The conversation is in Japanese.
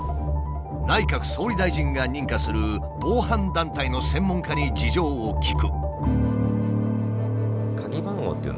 内閣総理大臣が認可する防犯団体の専門家に事情を聞く。